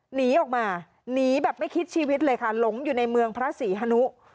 หนีออกมาหนีแบบไม่คิดชีวิตเลยค่ะหลงอยู่ในเมืองพระศรีฮนุ